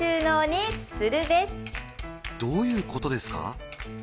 どういうことですか？